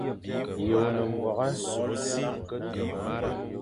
Ye o ne mwague.